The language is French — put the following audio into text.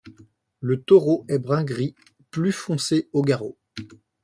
Le taureau est brun gris plus foncé au garrot.